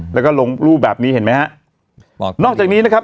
แล้วก็ลงรูปแบบนี้เห็นไหมฮะนอกจากนี้นะครับ